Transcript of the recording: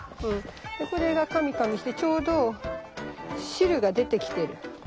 でこれがカミカミしてちょうど汁が出てきてる。